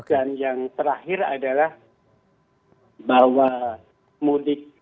dan yang terakhir adalah bawa mudik